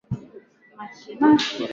Ninasoma.